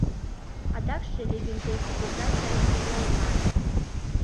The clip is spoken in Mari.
Адакше Левентей кугызай тыйым эре ойла ыле.